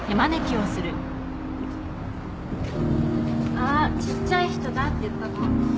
「あっちっちゃい人だ」って言ったの。